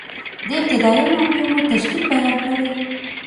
د ابتدائیه محاکمو تشکیل بیان کړئ؟